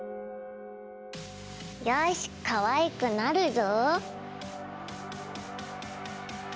よしかわいくなるぞ！